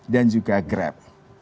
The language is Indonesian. dan juga grab